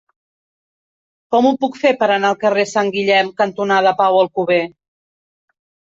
Com ho puc fer per anar al carrer Sant Guillem cantonada Pau Alcover?